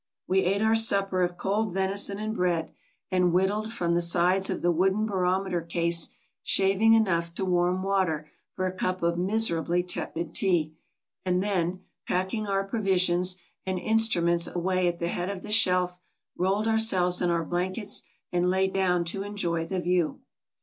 We ate our 106 TRAVELERS AND EXPLORERS supper of cold venison and bread, and whittled from the sides of the wooden barometer case shaving enough to warm water for a cup of miserably tepid tea, and then, packing our provisions and instruments away at the head of the shelf, rolled ourselves in our blankets and lay down to enjoy the view.